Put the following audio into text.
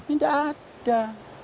ini tidak ada